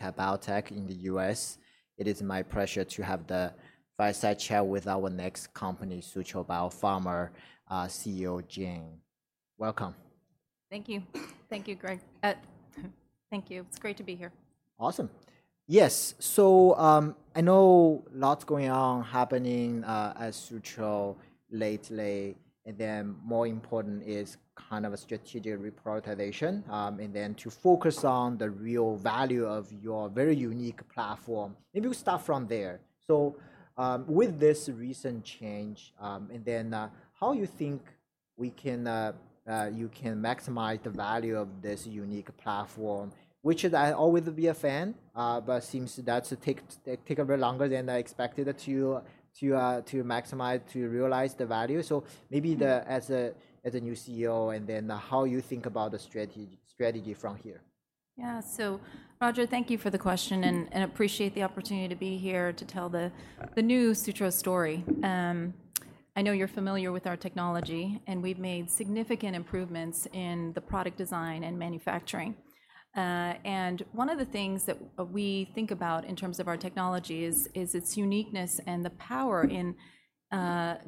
At Biotech in the U.S. It is my pleasure to have the fireside chat with our next company, Sutro Biopharma CEO, Jane. Welcome. Thank you. Thank you, Greg. Thank you. It's great to be here. Awesome. Yes. I know lots going on, happening at Sutro lately. More important is kind of a strategic reprioritization, and then to focus on the real value of your very unique platform. Maybe we'll start from there. With this recent change, and then how you think you can maximize the value of this unique platform, which I always will be a fan, but seems that's take a bit longer than I expected to maximize, to realize the value. Maybe as a new CEO, and then how you think about the strategy from here. Yeah. Roger, thank you for the question, and appreciate the opportunity to be here to tell the new Sutro story. I know you're familiar with our technology, and we've made significant improvements in the product design and manufacturing. One of the things that we think about in terms of our technology is its uniqueness and the power in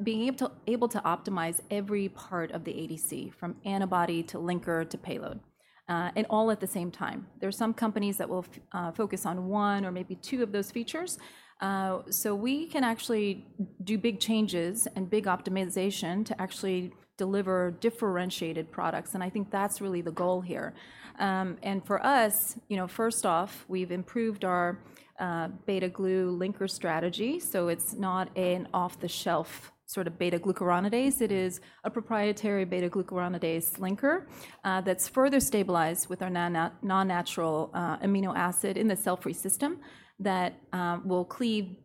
being able to optimize every part of the ADC, from antibody to linker to payload, and all at the same time. There are some companies that will focus on one or maybe two of those features. We can actually do big changes and big optimization to actually deliver differentiated products. I think that's really the goal here. For us, first off, we've improved our beta glucuronidase linker strategy. It's not an off-the-shelf sort of beta glucuronidase. It is a proprietary beta glucuronidase linker that's further stabilized with our non-natural amino acid in the cell-free system that will cleave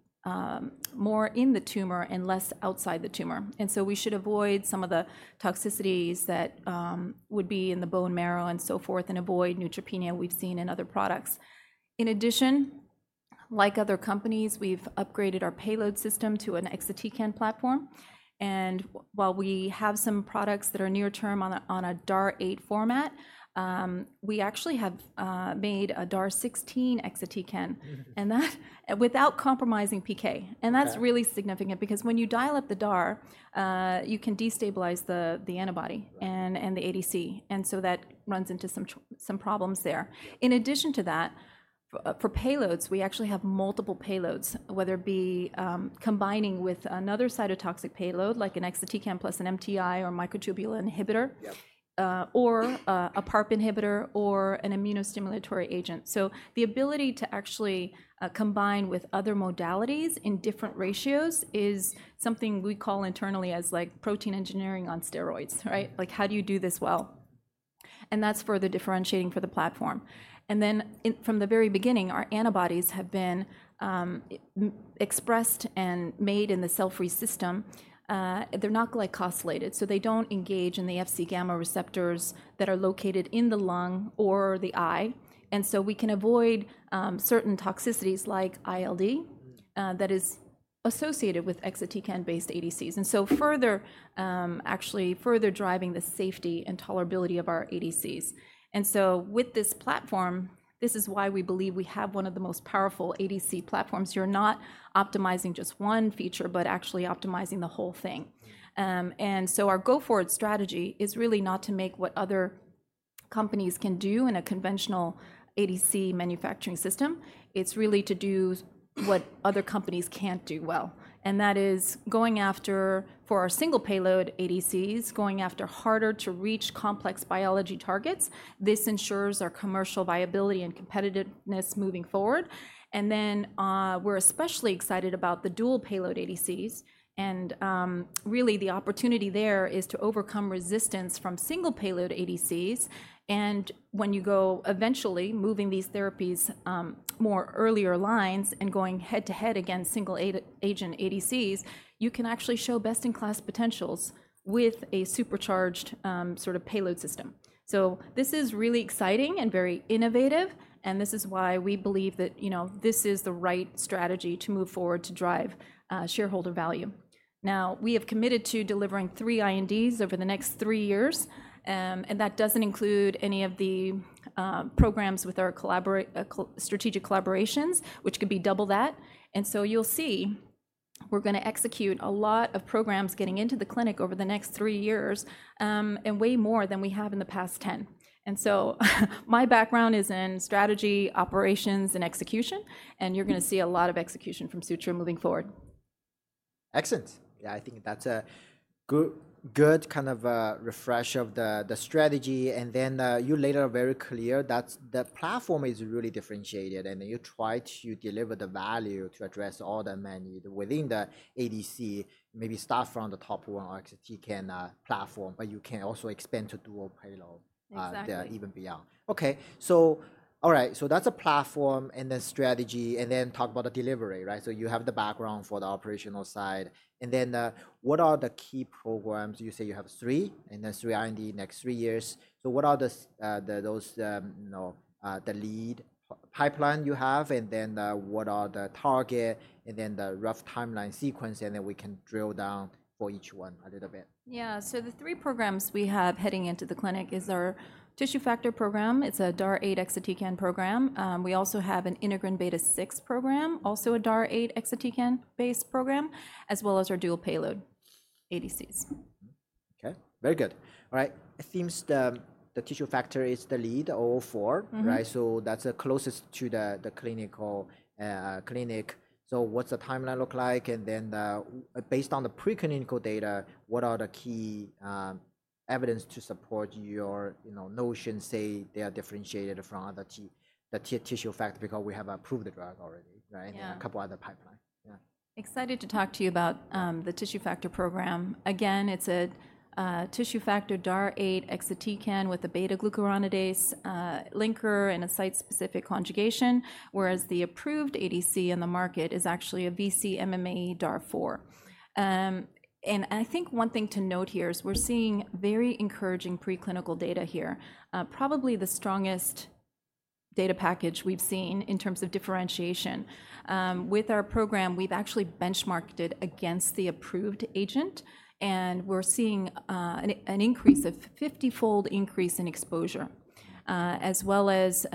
more in the tumor and less outside the tumor. We should avoid some of the toxicities that would be in the bone marrow and so forth, and avoid neutropenia we've seen in other products. In addition, like other companies, we've upgraded our payload system to an exotic platform. While we have some products that are near-term on a DAR8 format, we actually have made a DAR16 exotic without compromising PK. That's really significant because when you dial up the DAR, you can destabilize the antibody and the ADC. That runs into some problems there. In addition to that, for payloads, we actually have multiple payloads, whether it be combining with another cytotoxic payload, like an exatecan plus an MTI or microtubule inhibitor, or a PARP inhibitor, or an immunostimulatory agent. The ability to actually combine with other modalities in different ratios is something we call internally as protein engineering on steroids, right? Like how do you do this well? That is further differentiating for the platform. From the very beginning, our antibodies have been expressed and made in the cell-free system. They're not glycosylated, so they don't engage in the FC gamma receptors that are located in the lung or the eye. We can avoid certain toxicities like ILD that is associated with Exatecan-based ADCs, actually further driving the safety and tolerability of our ADCs. With this platform, this is why we believe we have one of the most powerful ADC platforms. You're not optimizing just one feature, but actually optimizing the whole thing. Our go-forward strategy is really not to make what other companies can do in a conventional ADC manufacturing system. It's really to do what other companies can't do well. That is, for our single payload ADCs, going after harder-to-reach complex biology targets. This ensures our commercial viability and competitiveness moving forward. We're especially excited about the dual payload ADCs. Really, the opportunity there is to overcome resistance from single payload ADCs. When you eventually move these therapies to earlier lines and go head-to-head against single agent ADCs, you can actually show best-in-class potentials with a supercharged sort of payload system. This is really exciting and very innovative. This is why we believe that this is the right strategy to move forward to drive shareholder value. We have committed to delivering three INDs over the next three years. That does not include any of the programs with our strategic collaborations, which could be double that. You will see we are going to execute a lot of programs getting into the clinic over the next three years and way more than we have in the past 10. My background is in strategy, operations, and execution. You are going to see a lot of execution from Sutro moving forward. Excellent. Yeah, I think that's a good kind of refresh of the strategy. You laid it out very clear that the platform is really differentiated. You try to deliver the value to address all the men within the ADC, maybe start from the top one exotic platform, but you can also expand to dual payload even beyond. Exactly. OK. All right, so that's a platform and then strategy, and then talk about the delivery, right? You have the background for the operational side. What are the key programs? You say you have three and then three IND next three years. What are those, the lead pipeline you have? What are the target and the rough timeline sequence? We can drill down for each one a little bit. Yeah. The three programs we have heading into the clinic are our tissue factor program. It is a DAR8 exatecan program. We also have an integrin beta 6 program, also a DAR8 exatecan-based program, as well as our dual payload ADCs. OK, very good. All right. It seems the tissue factor is the lead, all four, right? So that's the closest to the clinic. What's the timeline look like? Then based on the preclinical data, what are the key evidence to support your notion, say, they are differentiated from the tissue factor because we have approved the drug already, right? A couple other pipelines. Excited to talk to you about the tissue factor program. Again, it's a tissue factor DAR8 exatecan with a beta glucuronidase linker and a site-specific conjugation, whereas the approved ADC in the market is actually a vcMMAE DAR4. I think one thing to note here is we're seeing very encouraging preclinical data here, probably the strongest data package we've seen in terms of differentiation. With our program, we've actually benchmarked it against the approved agent. We're seeing a 50-fold increase in exposure, as well as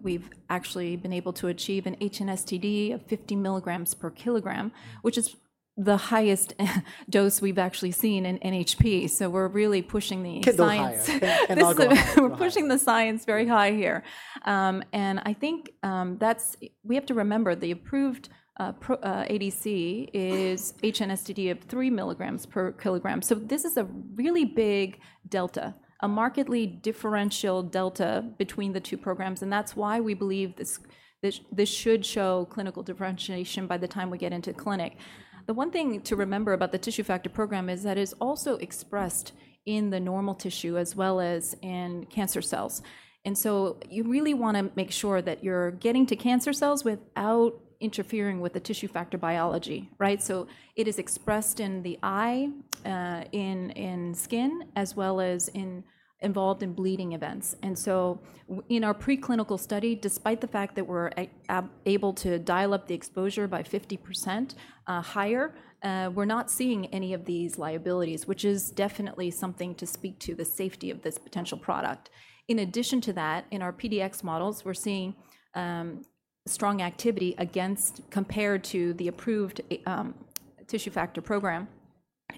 we've actually been able to achieve an HNSTD of 50 mg per kg, which is the highest dose we've actually seen in NHP. We're really pushing the science. Kiddle highs. We're pushing the science very high here. I think we have to remember the approved ADC is HNSTD of 3 milligrams per kilogram. This is a really big delta, a markedly differential delta between the two programs. That's why we believe this should show clinical differentiation by the time we get into clinic. The one thing to remember about the tissue factor program is that it is also expressed in the normal tissue as well as in cancer cells. You really want to make sure that you're getting to cancer cells without interfering with the tissue factor biology, right? It is expressed in the eye, in skin, as well as involved in bleeding events. In our preclinical study, despite the fact that we're able to dial up the exposure by 50% higher, we're not seeing any of these liabilities, which is definitely something to speak to the safety of this potential product. In addition to that, in our PDX models, we're seeing strong activity compared to the approved tissue factor program.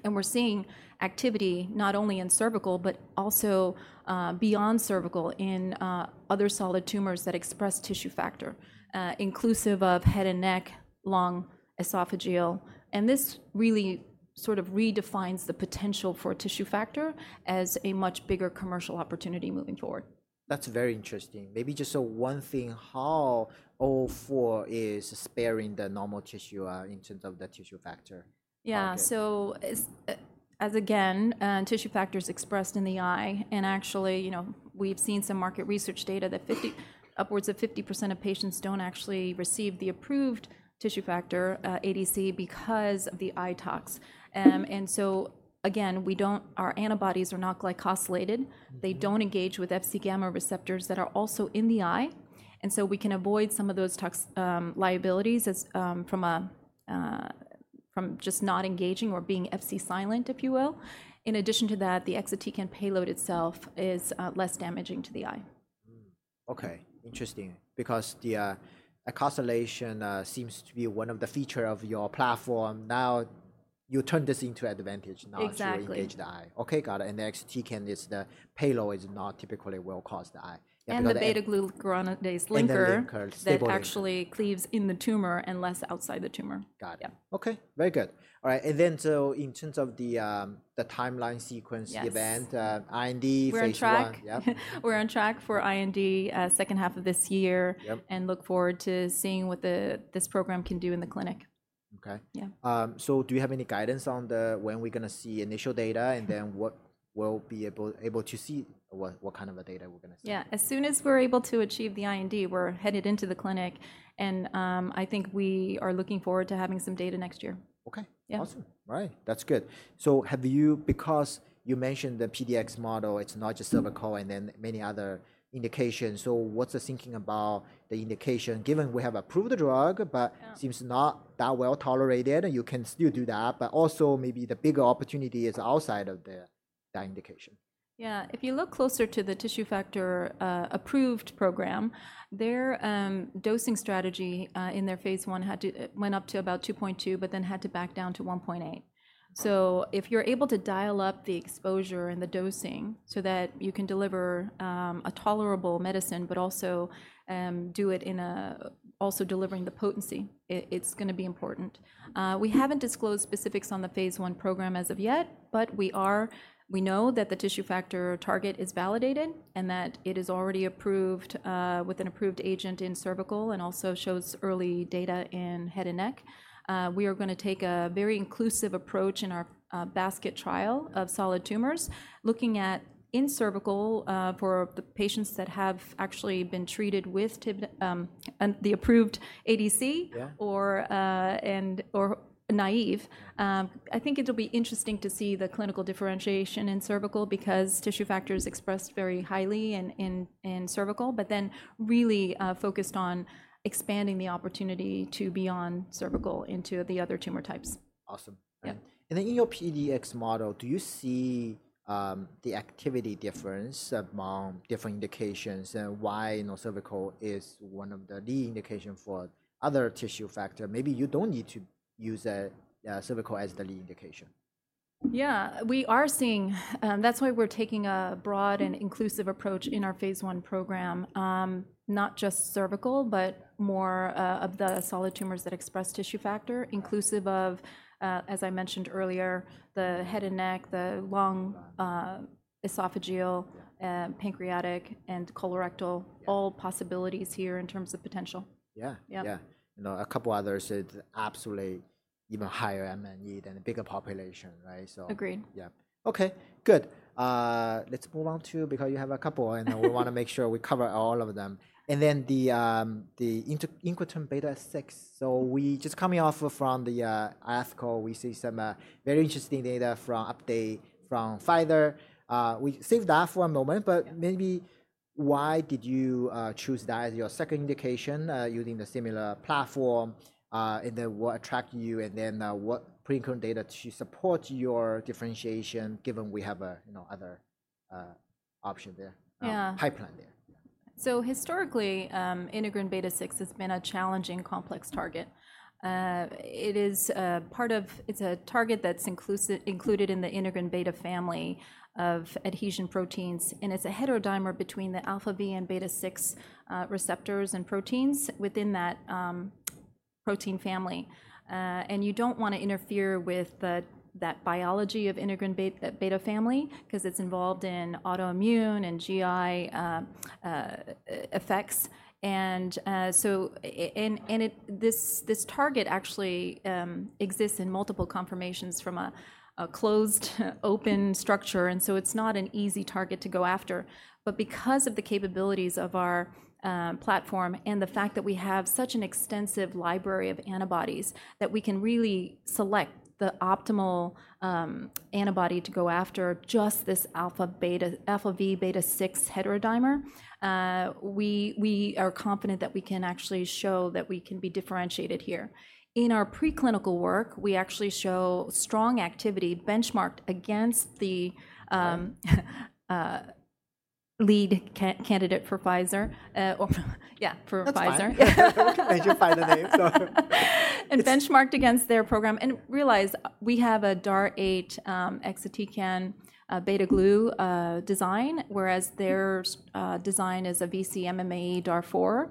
We're seeing activity not only in cervical, but also beyond cervical in other solid tumors that express tissue factor, inclusive of head and neck, lung, esophageal. This really sort of redefines the potential for tissue factor as a much bigger commercial opportunity moving forward. That's very interesting. Maybe just one thing, how all four is sparing the normal tissue in terms of the tissue factor? Yeah. So again, tissue factor is expressed in the eye. Actually, we've seen some market research data that upwards of 50% of patients don't actually receive the approved tissue factor ADC because of the eye tox. Our antibodies are not glycosylated. They don't engage with FC gamma receptors that are also in the eye. We can avoid some of those liabilities from just not engaging or being FC silent, if you will. In addition to that, the exatecan payload itself is less damaging to the eye. Ok, interesting, because the glycosylation seems to be one of the features of your platform. Now you turn this into advantage now. Exactly. You engage the eye. Okay, got it. And the exatecan payload does not typically cause eye. The beta glucuronidase linker actually cleaves in the tumor and less outside the tumor. Got it. Okay, very good. All right. And then in terms of the timeline sequence event, IND phase one. We're on track. We're on track for IND second half of this year and look forward to seeing what this program can do in the clinic. OK. Do you have any guidance on when we're going to see initial data and then what we'll be able to see, what kind of data we're going to see? Yeah. As soon as we're able to achieve the IND, we're headed into the clinic. I think we are looking forward to having some data next year. OK, awesome. All right, that's good. Because you mentioned the PDX model, it's not just cervical and then many other indications. What's the thinking about the indication given we have approved the drug, but seems not that well tolerated? You can still do that. Also, maybe the bigger opportunity is outside of the indication. Yeah. If you look closer to the tissue factor approved program, their dosing strategy in their phase one went up to about 2.2, but then had to back down to 1.8. If you're able to dial up the exposure and the dosing so that you can deliver a tolerable medicine, but also do it in also delivering the potency, it's going to be important. We haven't disclosed specifics on the phase one program as of yet, but we know that the tissue factor target is validated and that it is already approved with an approved agent in cervical and also shows early data in head and neck. We are going to take a very inclusive approach in our basket trial of solid tumors, looking at in cervical for the patients that have actually been treated with the approved ADC or naive. I think it'll be interesting to see the clinical differentiation in cervical because tissue factor is expressed very highly in cervical, but then really focused on expanding the opportunity to beyond cervical into the other tumor types. Awesome. In your PDX model, do you see the activity difference among different indications and why cervical is one of the lead indication for other tissue factor? Maybe you don't need to use cervical as the lead indication. Yeah, we are seeing. That's why we're taking a broad and inclusive approach in our phase I program, not just cervical, but more of the solid tumors that express tissue factor, inclusive of, as I mentioned earlier, the head and neck, the lung, esophageal, pancreatic, and colorectal, all possibilities here in terms of potential. Yeah, yeah. A couple others is absolutely even higher MNE than a bigger population, right? Agreed. Yeah. Oay, good. Let's move on to because you have a couple and we want to make sure we cover all of them. And then the Integrin beta six. So we just coming off from the ethical, we see some very interesting data from update from Pfizer. We saved that for a moment, but maybe why did you choose that as your second indication using the similar platform? And then what attracted you? And then what pre-current data to support your differentiation given we have other options there, pipeline there? Historically, Integrin beta six has been a challenging, complex target. It is a target that's included in the integrin beta family of adhesion proteins. It's a heterodimer between the alpha V and beta six receptors and proteins within that protein family. You don't want to interfere with the biology of the integrin beta family because it's involved in autoimmune and GI effects. This target actually exists in multiple conformations from a closed-open structure. It's not an easy target to go after. Because of the capabilities of our platform and the fact that we have such an extensive library of antibodies that we can really select the optimal antibody to go after just this alpha V beta 6 heterodimer, we are confident that we can actually show that we can be differentiated here. In our preclinical work, we actually show strong activity benchmarked against the lead candidate for Pfizer. Yeah, for Pfizer. Major Pfizer name. Benchmarked against their program. We have a DAR8 Exatecan beta glucuronidase design, whereas their design is a vcMMAE DAR4.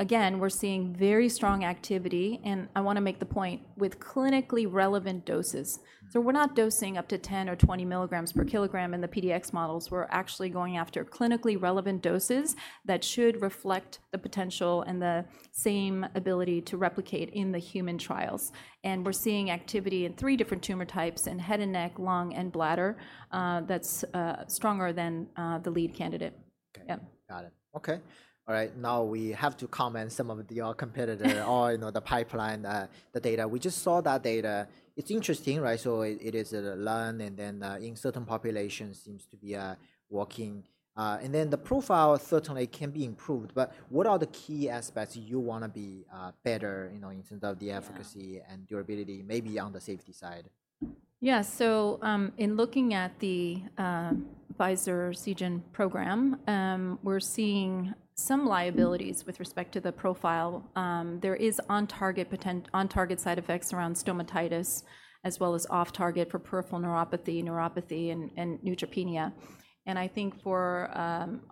Again, we're seeing very strong activity. I want to make the point with clinically relevant doses. We're not dosing up to 10 or 20 mg per kg in the PDX models. We're actually going after clinically relevant doses that should reflect the potential and the same ability to replicate in the human trials. We're seeing activity in three different tumor types in head and neck, lung, and bladder that's stronger than the lead candidate. Okay, got it. Ok. All right, now we have to comment some of your competitor or the pipeline, the data. We just saw that data. It's interesting, right? It is learned. And then in certain populations, seems to be working. The profile certainly can be improved. What are the key aspects you want to be better in terms of the efficacy and durability, maybe on the safety side? Yeah. In looking at the Pfizer Seagen program, we're seeing some liabilities with respect to the profile. There is on-target side effects around stomatitis, as well as off-target for peripheral neuropathy, neuropathy, and neutropenia. I think for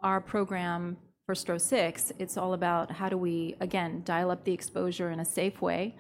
our program for STRO-006, it's all about how do we, again, dial up the exposure in a safe way.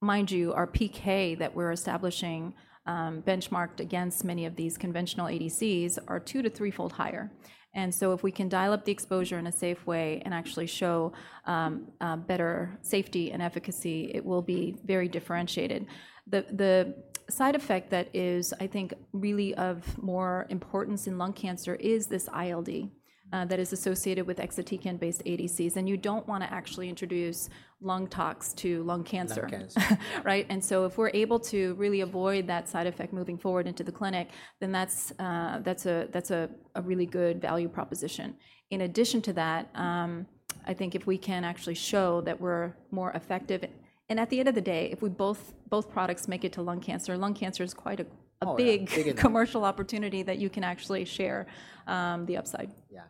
Mind you, our PK that we're establishing benchmarked against many of these conventional ADCs are two- to three-fold higher. If we can dial up the exposure in a safe way and actually show better safety and efficacy, it will be very differentiated. The side effect that is, I think, really of more importance in lung cancer is this ILD that is associated with Exatecan-based ADCs. You do not want to actually introduce lung tox to lung cancer, right? If we're able to really avoid that side effect moving forward into the clinic, then that's a really good value proposition. In addition to that, I think if we can actually show that we're more effective. At the end of the day, if both products make it to lung cancer, lung cancer is quite a big commercial opportunity that you can actually share the upside. Yeah.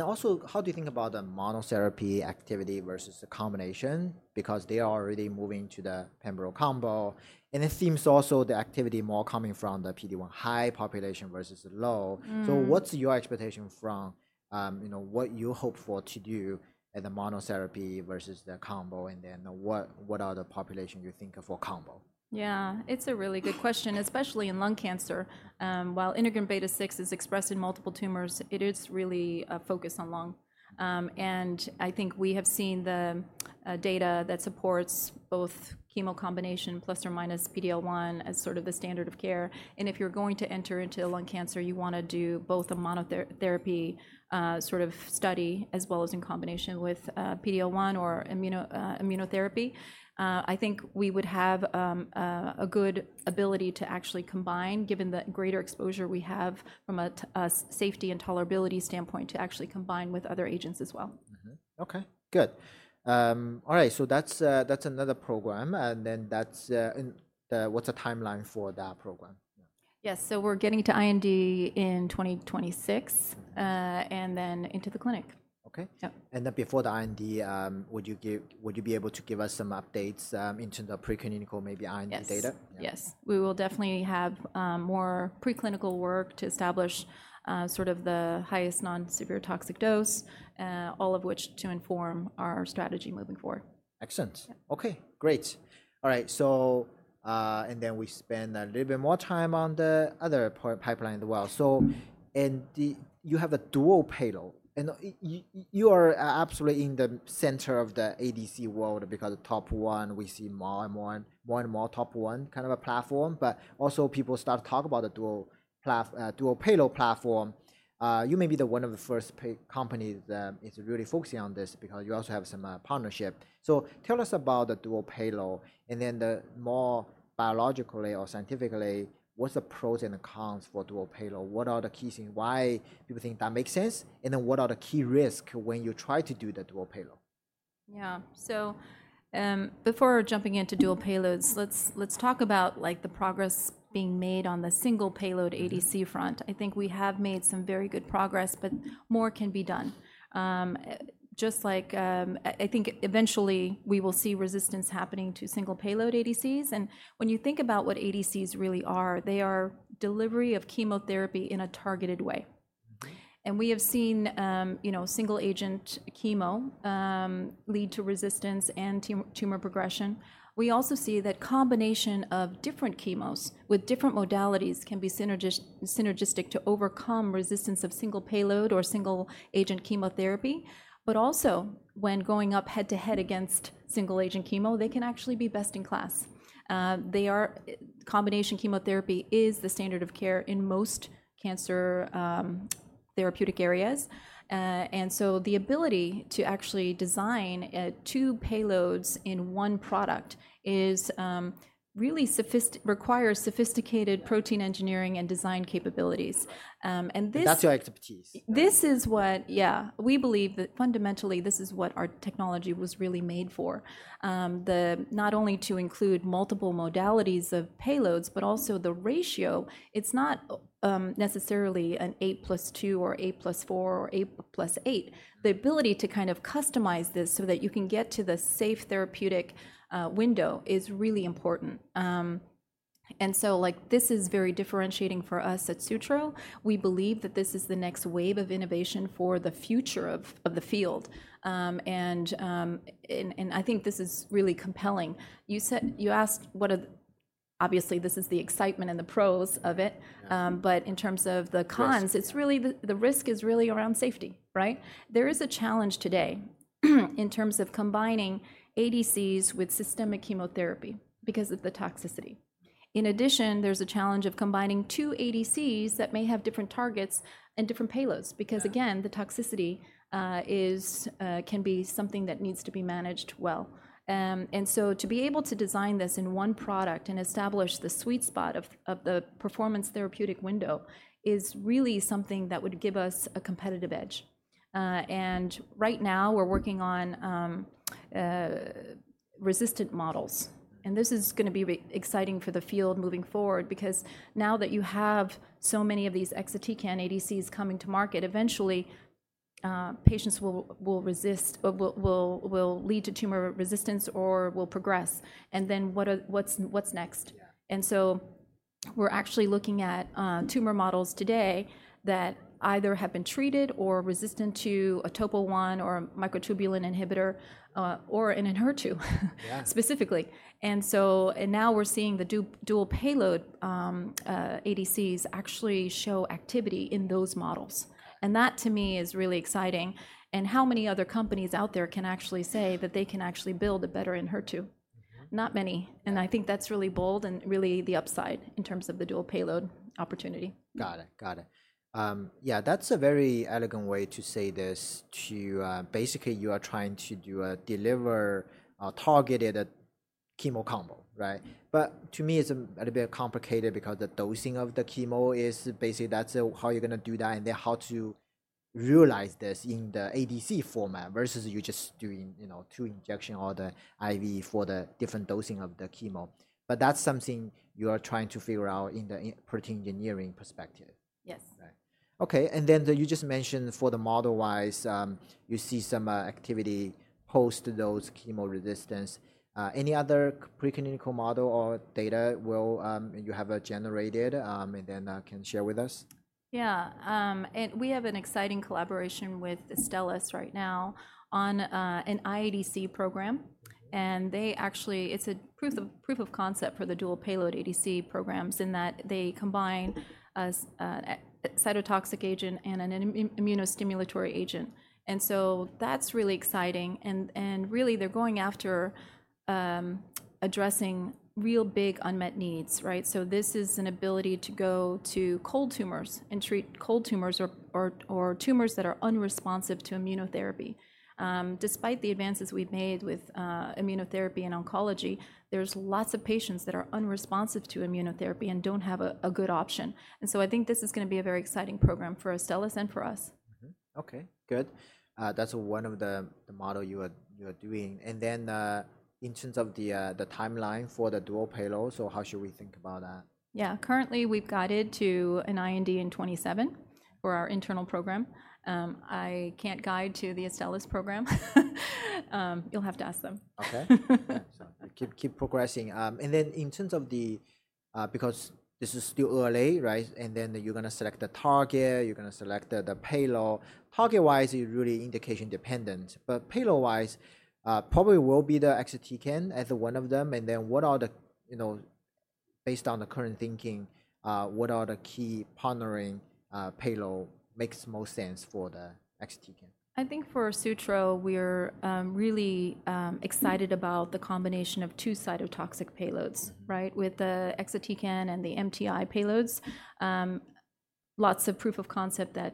Also, how do you think about the monotherapy activity versus the combination? Because they are already moving to the Pembrol combo. It seems also the activity more coming from the PD1 high population versus the low. What's your expectation from what you hope for to do at the monotherapy versus the combo? What are the population you think for combo? Yeah, it's a really good question, especially in lung cancer. While integrin beta 6 is expressed in multiple tumors, it is really focused on lung. I think we have seen the data that supports both chemo combination plus or minus PDL1 as sort of the standard of care. If you're going to enter into lung cancer, you want to do both a monotherapy sort of study as well as in combination with PDL1 or immunotherapy. I think we would have a good ability to actually combine, given the greater exposure we have from a safety and tolerability standpoint, to actually combine with other agents as well. OK, good. All right, so that's another program. What's the timeline for that program? Yes, so we're getting to IND in 2026 and then into the clinic. OK. Before the IND, would you be able to give us some updates in terms of preclinical, maybe IND data? Yes, we will definitely have more preclinical work to establish sort of the highest non-severe toxic dose, all of which to inform our strategy moving forward. Excellent. Okay, great. All right, so and then we spend a little bit more time on the other pipeline as well. You have a dual payload. And you are absolutely in the center of the ADC world because the top one, we see more and more and more top one kind of a platform. But also people start to talk about the dual payload platform. You may be one of the first companies that is really focusing on this because you also have some partnership. So tell us about the dual payload. And then more biologically or scientifically, what's the pros and cons for dual payload? What are the key things? Why do you think that makes sense? And then what are the key risks when you try to do the dual payload? Yeah. Before jumping into dual payloads, let's talk about the progress being made on the single payload ADC front. I think we have made some very good progress, but more can be done. Just like I think eventually we will see resistance happening to single payload ADCs. When you think about what ADCs really are, they are delivery of chemotherapy in a targeted way. We have seen single agent chemo lead to resistance and tumor progression. We also see that combination of different Chemos with different modalities can be synergistic to overcome resistance of single payload or single agent chemotherapy. Also, when going up head to head against single agent chemo, they can actually be best in class. Combination chemotherapy is the standard of care in most cancer therapeutic areas. The ability to actually design two payloads in one product requires sophisticated protein engineering and design capabilities. That's your expertise. This is what, yeah, we believe that fundamentally this is what our technology was really made for, not only to include multiple modalities of payloads, but also the ratio. It's not necessarily an eight plus two or eight plus four or eight plus eight. The ability to kind of customize this so that you can get to the safe therapeutic window is really important. This is very differentiating for us at Sutro. We believe that this is the next wave of innovation for the future of the field. I think this is really compelling. You asked what are obviously this is the excitement and the pros of it. In terms of the cons, it's really the risk is really around safety, right? There is a challenge today in terms of combining ADCs with systemic chemotherapy because of the toxicity. In addition, there's a challenge of combining two ADCs that may have different targets and different payloads. Because again, the toxicity can be something that needs to be managed well. To be able to design this in one product and establish the sweet spot of the performance therapeutic window is really something that would give us a competitive edge. Right now we're working on resistant models. This is going to be exciting for the field moving forward. Now that you have so many of these exotic ADCs coming to market, eventually patients will lead to tumor resistance or will progress. What's next? We're actually looking at tumor models today that either have been treated or are resistant to a topo one or a microtubule inhibitor or an inheritor specifically. Now we're seeing the dual payload ADCs actually show activity in those models. That to me is really exciting. How many other companies out there can actually say that they can actually build a better inheritue? Not many. I think that's really bold and really the upside in terms of the dual payload opportunity. Got it, got it. Yeah, that's a very elegant way to say this. Basically, you are trying to deliver a targeted chemo combo, right? To me, it's a little bit complicated because the dosing of the chemo is basically that's how you're going to do that. Then how to realize this in the ADC format versus you just doing two injections or the IV for the different dosing of the chemo. That's something you are trying to figure out in the protein engineering perspective. Yes. OK. You just mentioned for the model-wise, you see some activity post those chemo resistance. Any other preclinical model or data you have generated and then can share with us? Yeah. We have an exciting collaboration with Stellus right now on an IADC program. It is a proof of concept for the dual payload ADC programs in that they combine a cytotoxic agent and an immunostimulatory agent. That is really exciting. Really, they are going after addressing real big unmet needs, right? This is an ability to go to cold tumors and treat cold tumors or tumors that are unresponsive to immunotherapy. Despite the advances we have made with immunotherapy and oncology, there are lots of patients that are unresponsive to immunotherapy and do not have a good option. I think this is going to be a very exciting program for Stellus and for us. Okay, good. That is one of the models you are doing. In terms of the timeline for the dual payload, how should we think about that? Yeah, currently we've guided to an IND in 2027 for our internal program. I can't guide to the Stellus program. You'll have to ask them. OK, keep progressing. In terms of the because this is still early, right? You're going to select the target. You're going to select the payload. Target-wise, you're really indication dependent. Payload-wise, probably will be the exatecan as one of them. Based on the current thinking, what are the key partnering payload makes more sense for the exatecan? I think for Sutro, we are really excited about the combination of two cytotoxic payloads, right? With the Exatecan and the MTI payloads, lots of proof of concept that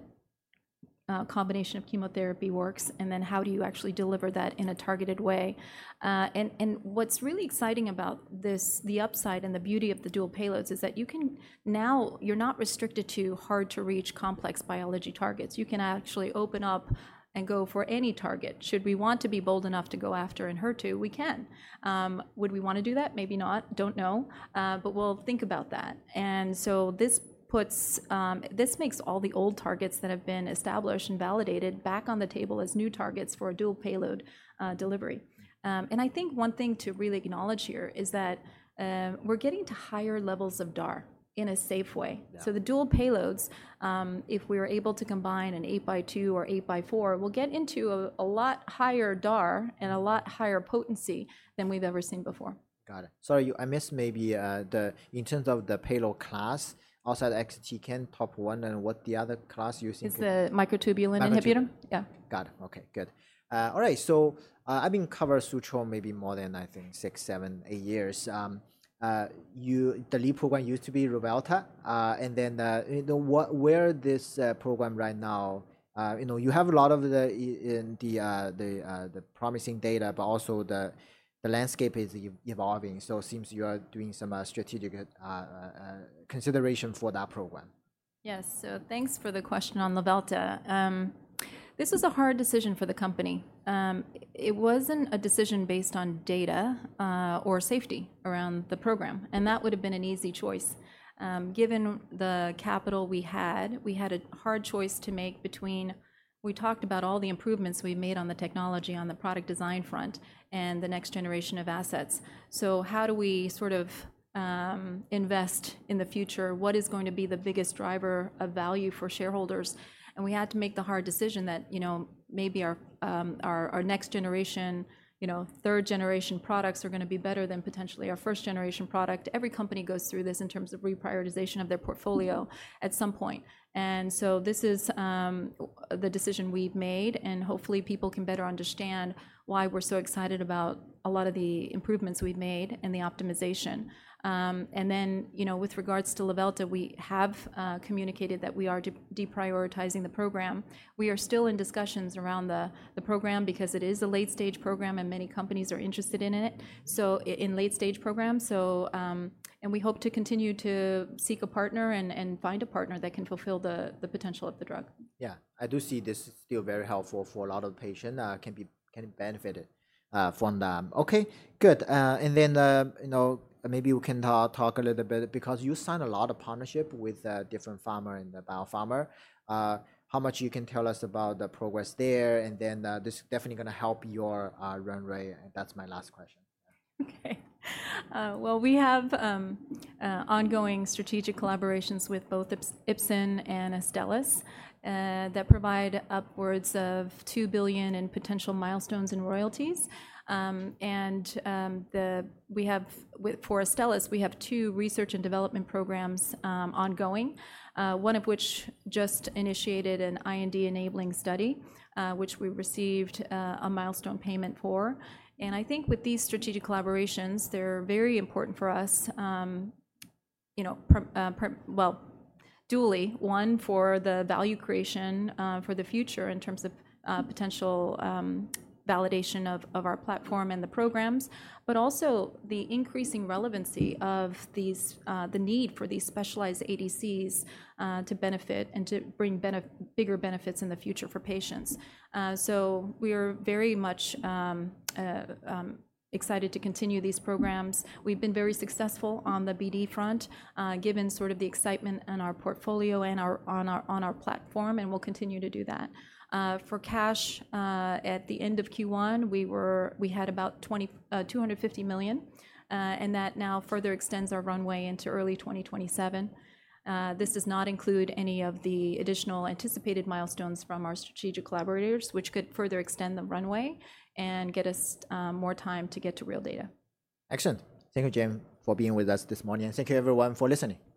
combination of chemotherapy works. How do you actually deliver that in a targeted way? What's really exciting about this, the upside and the beauty of the dual payloads is that you can now, you're not restricted to hard-to-reach complex biology targets. You can actually open up and go for any target. Should we want to be bold enough to go after Integrin, we can. Would we want to do that? Maybe not. Don't know. We'll think about that. This makes all the old targets that have been established and validated back on the table as new targets for dual payload delivery. I think one thing to really acknowledge here is that we're getting to higher levels of DAR in a safe way. The dual payloads, if we are able to combine an eight by two or eight by four, we'll get into a lot higher DAR and a lot higher potency than we've ever seen before. Got it. Sorry, I missed maybe in terms of the payload class, outside Exatecan top one, and what the other class you're using? It's the microtubule inhibitor. Yeah. Got it. Okay, good. All right, so I've been covering Sutro maybe more than, I think, six, seven, eight years. The lead program used to be Levelta. And then where this program right now, you have a lot of the promising data, but also the landscape is evolving. It seems you are doing some strategic consideration for that program. Yes, so thanks for the question on Levelta. This was a hard decision for the company. It was not a decision based on data or safety around the program. That would have been an easy choice. Given the capital we had, we had a hard choice to make between, we talked about all the improvements we have made on the technology, on the product design front, and the next generation of assets. How do we sort of invest in the future? What is going to be the biggest driver of value for shareholders? We had to make the hard decision that maybe our next generation, third-generation products are going to be better than potentially our first-generation product. Every company goes through this in terms of reprioritization of their portfolio at some point. This is the decision we have made. Hopefully people can better understand why we're so excited about a lot of the improvements we've made and the optimization. With regards to Levelta, we have communicated that we are deprioritizing the program. We are still in discussions around the program because it is a late-stage program and many companies are interested in it in late-stage programs. We hope to continue to seek a partner and find a partner that can fulfill the potential of the drug. Yeah, I do see this is still very helpful for a lot of patients can benefit from that. Okay, good. Maybe we can talk a little bit because you signed a lot of partnership with different pharma and the biopharma. How much you can tell us about the progress there? This is definitely going to help your runway. That's my last question. Okay. We have ongoing strategic collaborations with both Ipsen and Stellus that provide upwards of $2 billion in potential milestones and royalties. For Stellus, we have two research and development programs ongoing, one of which just initiated an IND enabling study, which we received a milestone payment for. I think with these strategic collaborations, they're very important for us, dually. One for the value creation for the future in terms of potential validation of our platform and the programs, but also the increasing relevancy of the need for these specialized ADCs to benefit and to bring bigger benefits in the future for patients. We are very much excited to continue these programs. We've been very successful on the BD front given sort of the excitement in our portfolio and on our platform. We'll continue to do that. For cash, at the end of Q1, we had about $250 million. That now further extends our runway into early 2027. This does not include any of the additional anticipated milestones from our strategic collaborators, which could further extend the runway and get us more time to get to real data. Excellent. Thank you, Jane, for being with us this morning. Thank you, everyone, for listening. OK.